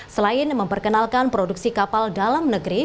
selain memperkenalkan produksi kapal dalam negeri